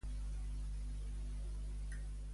Què ha de fer un partit polític si s'hi vol unir?